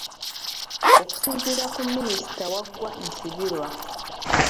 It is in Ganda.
Okusinziira ku Minisita Waggwa Nsibirwa.